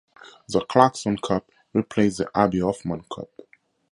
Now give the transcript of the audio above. The Clarkson Cup replaced the Abby Hoffman Cup.